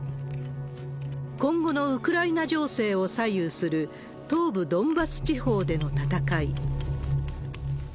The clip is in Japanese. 今後のウクライナ情勢を左右する東部ドンバス地方での戦い。